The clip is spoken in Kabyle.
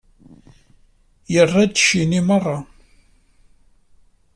Irra-d cci-nni meṛṛa.